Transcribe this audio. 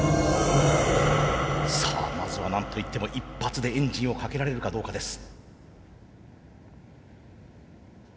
さあまずはなんといっても一発でエンジンをかけられるかどうかです。